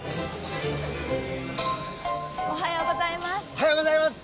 おはようございます！